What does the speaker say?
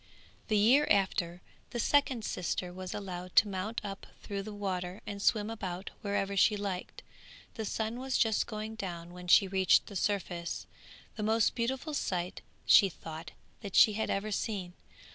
The year after, the second sister was allowed to mount up through the water and swim about wherever she liked. The sun was just going down when she reached the surface, the most beautiful sight, she thought, that she had ever seen.